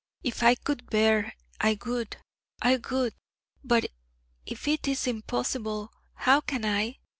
If I could bear it, I would, I would ... but if it is impossible, how can I?